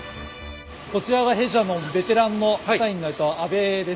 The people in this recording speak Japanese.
こちらが弊社のベテランの社員の阿部です。